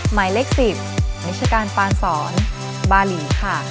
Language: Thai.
หมายเลข๑๐นิชการปานสอนบาหลีค่ะ